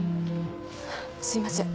すいません。